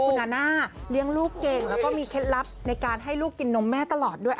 คุณอาน่าเลี้ยงลูกเก่งแล้วก็มีเคล็ดลับในการให้ลูกกินนมแม่ตลอดด้วย